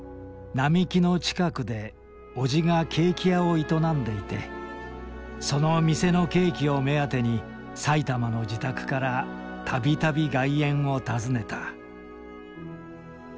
並木の近くでおじがケーキ屋を営んでいてその店のケーキを目当てに埼玉の自宅から度々外苑を訪ねた。